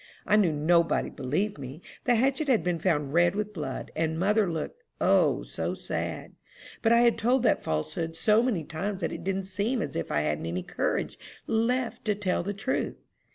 I knew nobody believed me. The hatchet had been found red with blood, and mother looked, O, so sad! but I had told that falsehood so many times that it did seem as if I hadn't any courage left to tell the truth.